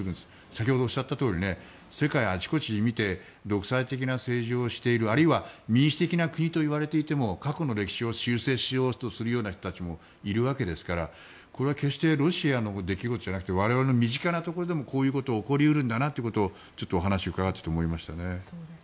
先ほどおっしゃったとおり世界あちこち見て独裁的な政治をしているあるいは民主的な国といわれていても過去の歴史を修正しようとするような人もいるわけですからこれは決してロシアの出来事じゃなくて我々の身近なところでもこういうことが起こり得るんだなということをちょっとお話を伺っていて思いましたね。